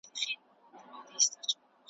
د لېوه یې په نصیب کښلي ښکارونه ,